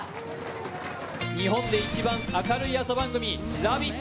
日本で一番明るい朝番組「ラヴィット！」